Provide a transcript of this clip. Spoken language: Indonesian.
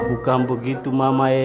bukan begitu mama